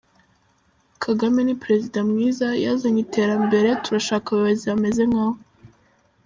Y: Kagame ni Perezida mwiza, yazanye iterambere, turashaka abayobozi bameze nka we.